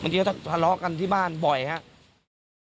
เดี๋ยวจะภร้ากันที่บ้านบ่อยครับ